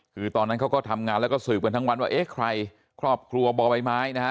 คือตอนนั้นเขาก็ทำงานแล้วก็สืบกันทั้งวันว่าเอ๊ะใครครอบครัวบ่อใบไม้นะฮะ